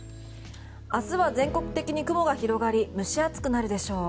明日は全国的に雲が広がり蒸し暑くなるでしょう。